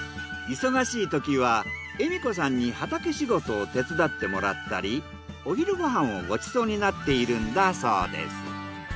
忙しいときは恵美子さんに畑仕事を手伝ってもらったりお昼ご飯をごちそうになっているんだそうです。